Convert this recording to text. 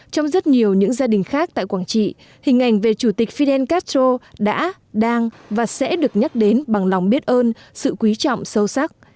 trong rất nhiều những gia đình khác tại quảng trị hình ảnh về chủ tịch fidel castro đã đang và sẽ được nhắc đến bằng lòng biết ơn sự quý trọng sâu sắc